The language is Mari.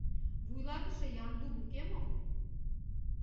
Вуйлатыше Яндул уке мо?